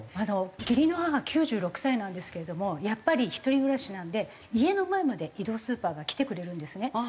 義理の母９６歳なんですけれどもやっぱり一人暮らしなんで家の前まで移動スーパーが来てくれるんですね。